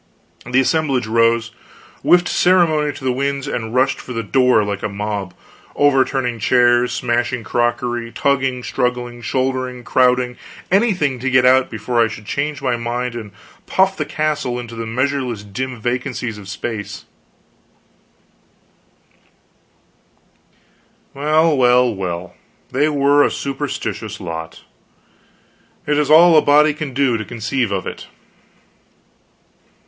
The assemblage rose, whiffed ceremony to the winds, and rushed for the door like a mob; overturning chairs, smashing crockery, tugging, struggling, shouldering, crowding anything to get out before I should change my mind and puff the castle into the measureless dim vacancies of space. Well, well, well, they were a superstitious lot. It is all a body can do to conceive of it.